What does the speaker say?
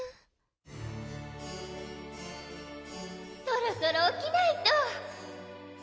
そろそろおきないと。